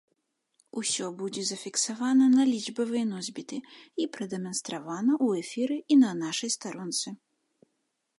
Усё будзе зафіксавана на лічбавыя носьбіты і прадэманстравана ў эфіры і на нашай старонцы.